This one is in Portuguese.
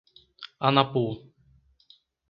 Anapu